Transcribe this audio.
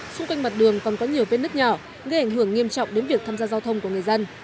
xung quanh mặt đường còn có nhiều vết nứt nhỏ gây ảnh hưởng nghiêm trọng đến việc tham gia giao thông của người dân